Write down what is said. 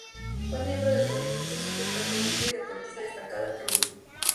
Fue miembro del Movimiento Scout Católico y deportista destacado en rugby.